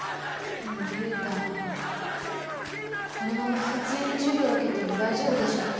でも優太このまま普通に授業を受けても大丈夫でしょうか？